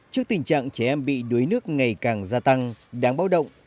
trước tình trạng trẻ em bị đuối nước ngày càng gia tăng đáng bao động